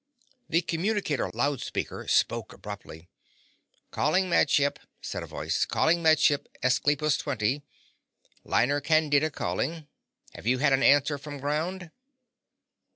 The communicator loudspeaker spoke abruptly. "Calling Med Ship," said a voice. "Calling Med Ship Esclipus Twenty! Liner Candida calling. Have you had an answer from ground?"